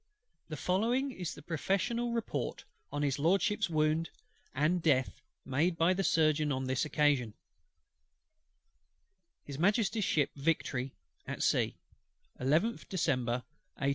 The following is the professional Report on HIS LORDSHIP'S wound and death, made by the Surgeon on this occasion; "His Majesty's Ship Victory, at Sea, 11th December, 1805.